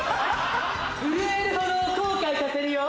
震えるほど後悔させるよ